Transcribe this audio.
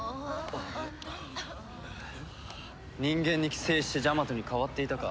人間に寄生してジャマトに変わっていたか。